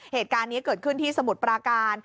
เหตุการณ์นี้เกิดขึ้นที่สมุทรปราการ